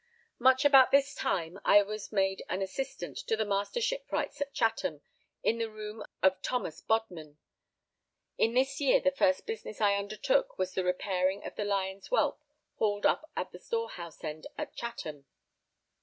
Much about this time I was made an assistant to the Master Shipwrights at Chatham, in the room of Thomas Bodman. In this year the first business I undertook was the repairing of the Lion's Whelp hauled up at the storehouse end at Chatham.